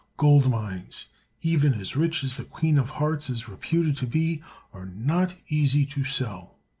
Gold mines, even as rich as the Queen of Hearts is reputed to be, are not easy to sell.